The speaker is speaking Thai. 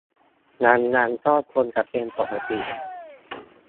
ดังนั้นก็คงจะเป็นปกติ